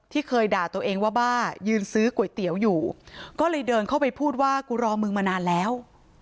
เคยด่าตัวเองว่าบ้ายืนซื้อก๋วยเตี๋ยวอยู่ก็เลยเดินเข้าไปพูดว่ากูรอมึงมานานแล้ว